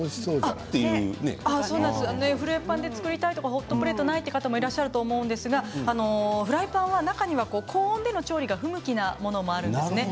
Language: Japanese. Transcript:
フライパンで作りたいとかホットプレートがないという方もいらっしゃると思うんですがフライパンは中には高温で調理が不向きなものもあるんですね。